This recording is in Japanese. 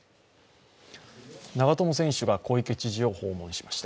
長友選手が小池知事を訪問しました。